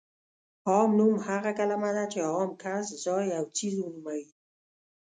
عام نوم هغه کلمه ده چې عام کس، ځای او څیز ونوموي.